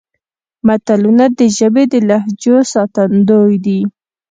متلونه د ژبې د لهجو ساتندوی دي